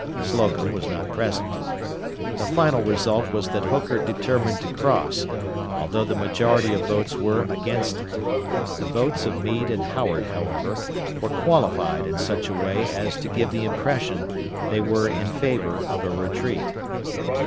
Slocum was not present. The final result was that Hooker determined to cross, although the majority of votes were against it. The votes of Meade and Howard, however, were qualified in such a way as to give the impression they were in favor of a retreat.